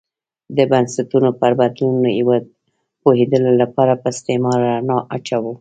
د بنسټونو پر بدلون پوهېدو لپاره پر استعمار رڼا اچوو.